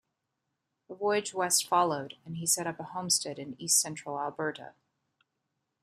A voyage west followed, and he set up a homestead in east-central Alberta.